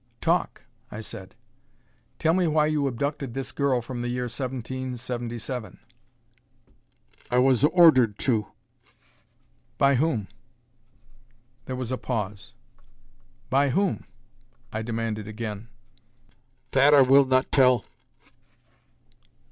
"Talk," I said. "Tell me why you abducted this girl from the year 1777." "I was ordered to." "By whom?" There was a pause. "By whom?" I demanded again. "That I will not tell."